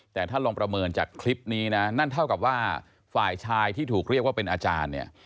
แต่ถ้าลองประเมินจากคลิปนี้นะนั่นเท่ากับว่าฝ่ายชายที่ถูกเรียกว่าเป็นอาจารย์เนี่ย